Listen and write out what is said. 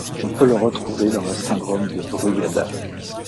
On peut le retrouver dans le syndrome de Brugada.